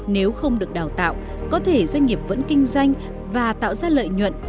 nếu không được đào tạo có thể doanh nghiệp vẫn kinh doanh và tạo ra lợi nhuận